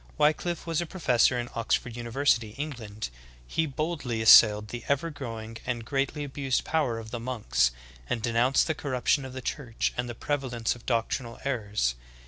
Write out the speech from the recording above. Wickllffe was a professor in Oxford university, England. He boldly as sailed the ever growing and greatly abused power of the monks, and denounced the corruption of the Church and the prevalence of doctrinal errors.